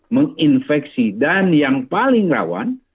menginfeksi dan yang paling rawan